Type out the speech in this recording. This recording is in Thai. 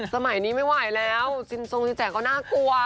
สมัยนี้ไม่ไหวแล้วสินทรงสินแจก็น่ากลัว